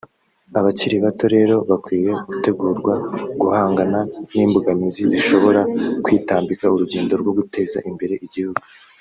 Abakiri bato rero bakwiye gutegurwa guhangana n’imbogamizi zishobora kwitambika urugendo rwo guteza imbere igihugu